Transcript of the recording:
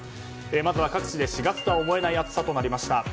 まずは各地で４月とは思えない暑さとなりました。